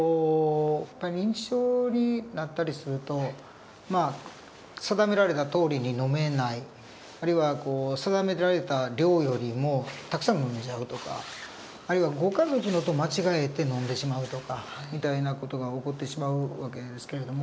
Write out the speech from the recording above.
やっぱり認知症になったりすると定められたとおりに飲めないあるいは定められた量よりもたくさん飲んじゃうとかあるいはご家族のと間違えて飲んでしまうとかみたいな事が起こってしまう訳ですけれども。